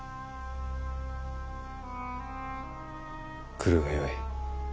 来るがよい。